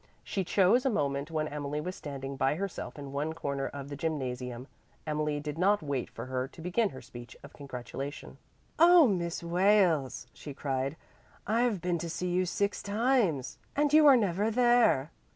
She chose a moment when Emily was standing by herself in one corner of the gymnasium. Emily did not wait for her to begin her speech of congratulation. "Oh, Miss Wales," she cried, "I've been to see you six times, and you are never there.